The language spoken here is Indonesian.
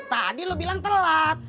tadi lo bilang telat